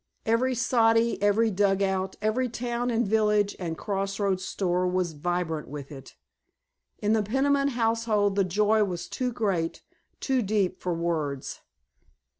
Every soddy, every dugout, every town and village and crossroads store was vibrant with it. In the Peniman household the joy was too great, too deep for words.